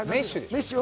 メッシュ